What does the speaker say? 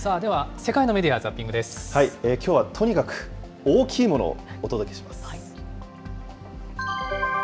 では、きょうはとにかく大きいものをお届けします。